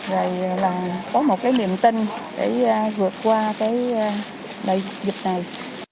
rồi là có một cái niềm tin để vượt qua cái đại dịch này